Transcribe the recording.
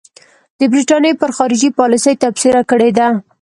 د برټانیې پر خارجي پالیسۍ تبصره کړې ده.